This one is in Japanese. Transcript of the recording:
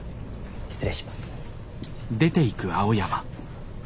失礼します。